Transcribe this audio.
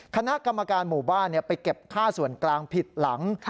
คณะกรรมการหมู่บ้านไปเก็บค่าส่วนกลางผิดหลัง